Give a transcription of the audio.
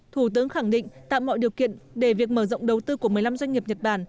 thủ tướng khẳng định tạo mọi điều kiện để việc mở rộng đầu tư của một mươi năm doanh nghiệp nhật bản